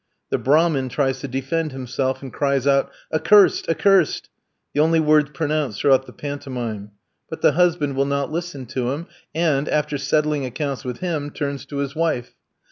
The Brahmin tries to defend himself, and cries out, "Accursed, accursed!" the only words pronounced throughout the pantomime. But the husband will not listen to him, and, after settling accounts with him, turns to his wife.